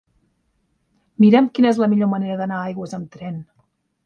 Mira'm quina és la millor manera d'anar a Aigües amb tren.